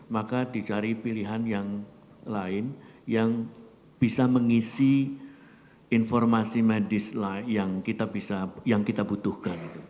maka dicari pilihan yang lain yang bisa mengisi informasi medis yang kita butuhkan